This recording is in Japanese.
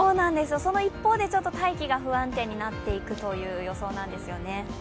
その一方で大気が不安定になっていく予報なんですね。